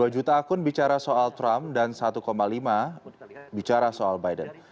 dua juta akun bicara soal trump dan satu lima bicara soal biden